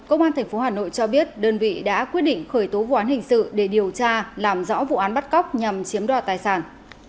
công an tp hà nội cho biết đơn vị đã quyết định khởi tố vụ án hình sự để điều tra làm rõ vụ án bắt cóc nhằm chiếm đoạt tài sản